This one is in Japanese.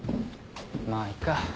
まあいっか。